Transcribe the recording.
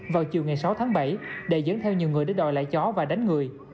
vào chiều ngày sáu tháng bảy đệ dẫn theo nhiều người để đòi lại chó và đánh người